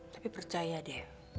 tapi percaya deh